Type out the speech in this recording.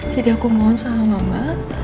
jadi aku mohon sama mama